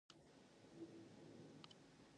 The station is directly on the West Coast Main Line.